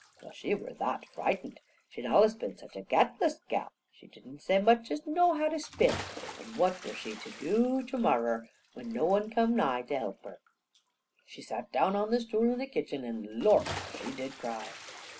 Well, she were that frightened. She'd allus been such a gatless gal, that she didn't se much as know how to spin, an' what were she to dew to morrer, with no one to come nigh her to help her? She sat down on a stool in the kitchen, and lork! how she did cry!